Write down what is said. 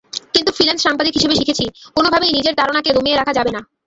কিন্তু ফ্রিল্যান্স সাংবাদিক হিসেবে শিখেছি, কোনোভাবেই নিজের তাড়নাকে দমিয়ে রাখা যাবে না।